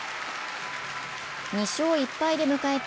２勝１敗で迎えた